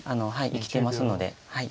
生きてますので。